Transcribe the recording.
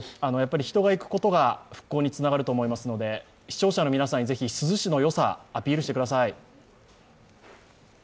人が行くことが復興につながると思いますので、視聴者の皆さんにぜひ珠洲市のよさ、アピールしてください。